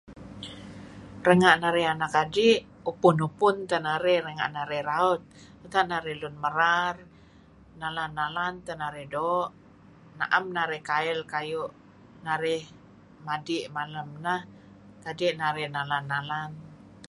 Renga' narih anak adi, upun-upun teh narih renga' raut. Nga' narih lun merar, nalan-nalan teh narih doo'. Na'em narih kail kayu' narih madi' malem neh. Kadi' narih nalan-nalan.